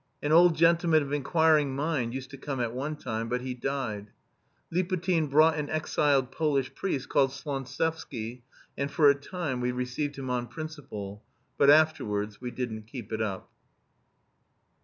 An old gentleman of inquiring mind used to come at one time, but he died. Liputin brought an exiled Polish priest called Slontsevsky, and for a time we received him on principle, but afterwards we didn't keep it up.